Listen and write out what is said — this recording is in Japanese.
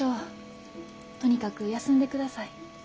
とにかく休んでください。